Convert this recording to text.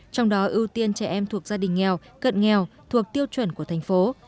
trong đó ưu tiên trẻ em thuộc gia đình nghèo cận nghèo thuộc tiêu chuẩn của thành phố